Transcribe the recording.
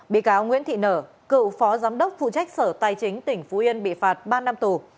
bị cáo nguyễn thị nở cựu phó giám đốc phụ trách sở tài chính tỉnh phú yên bị phạt ba năm tù